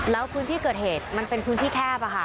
แล้วพื้นที่เกิดเหตุมันเป็นพื้นที่แคบ